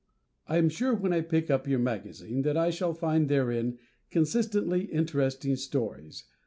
I am sure when I pick up your magazine that I shall find therein consistently interesting stories.